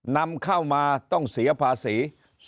นำเข้ามาต้องเสียภาษี